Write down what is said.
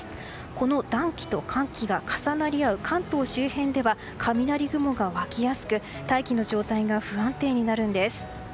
この暖気と寒気が重なり合う関東周辺では雷雲が湧きやすく大気の状態が不安定になるんです。